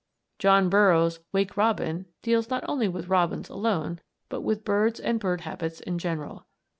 John Burroughs's "Wake Robin" deals not with robins alone, but with birds and bird habits in general.